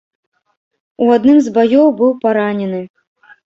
У адным з баёў быў паранены.